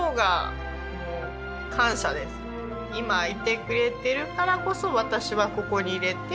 今いてくれてるからこそ私はここにいれて。